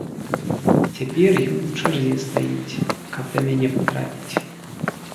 Цяпер ён у чарзе стаіць, каб да мяне патрапіць.